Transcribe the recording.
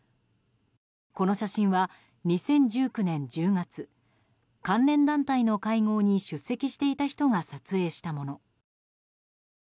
この写真は２０１９年１０月関連団体の会合に出席していた人が撮影したもの。